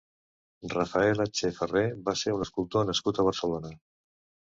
Rafael Atché i Ferré va ser un escultor nascut a Barcelona.